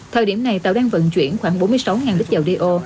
thời điểm này tàu đang vận chuyển khoảng bốn mươi sáu lít dầu do